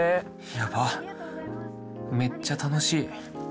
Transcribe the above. ヤバめっちゃ楽しい。